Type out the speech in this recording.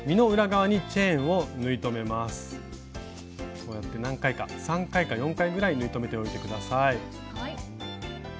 こうやって何回か３回か４回ぐらい縫い留めておいて下さい。